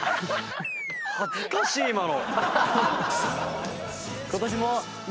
恥ずかしい今の。